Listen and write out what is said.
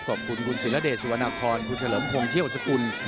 ขอบคุณคุณศิลเดชสุวรรณครคุณเฉลิมพงศ์เชี่ยวสกุล